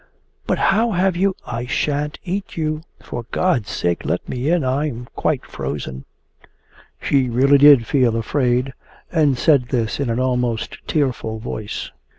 'But how have you...' 'I shan't eat you. For God's sake let me in! I am quite frozen.' She really did feel afraid, and said this in an almost tearful voice.